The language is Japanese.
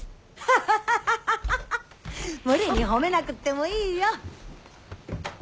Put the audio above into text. ハハハハハ無理にほめなくってもいいよ。